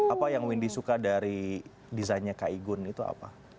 apa yang windy suka dari desainnya kak igun itu apa